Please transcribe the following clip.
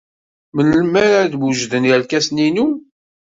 Melmi ara d-wejden yerkasen-inu?